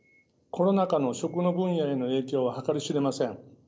コロナ禍の食の分野への影響は計り知れません。